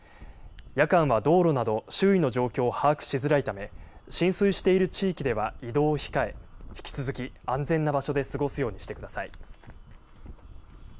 夜間は道路など周囲の状況を把握しづらいため浸水している地域では移動を控え引き続き安全な場所で過ごすようにしてください。